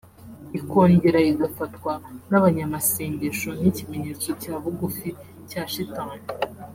ikongera igafatwa n’abanyamasengesho nk’ikimenyetso cya bugufi cya Shitani